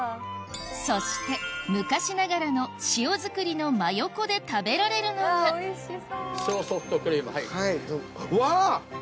そして昔ながらの塩作りの真横で食べられるのがわぁ！